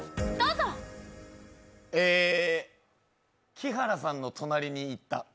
木原さんの隣に行った。